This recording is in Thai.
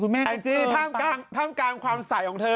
คุณแม่ก็เปิดขึ้นข้างจริงท่ามกลางความใสของเธอ